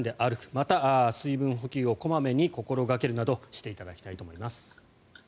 また、水分補給を小まめに心掛けるなどしていただきたいと思います。